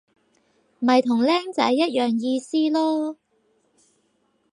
咪同僆仔一樣意思囉